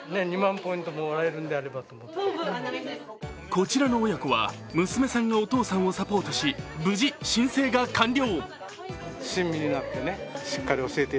こちらの親子は娘さんがお父さんをサポートし無事、申請が完了。